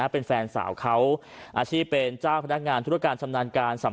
เป็นแฟนสาวเขาอาชีพเป็นเจ้าพนักงานธุรการชำนาญการ